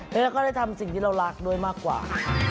แล้วเราก็ได้ทำสิ่งที่เรารักด้วยมากกว่า